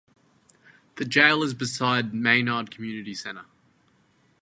The jail is beside Maynard Community Center.